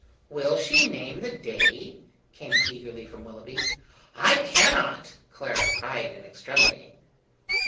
"Will she name the day?" came eagerly from Willoughby. "I cannot!" Clara cried in extremity.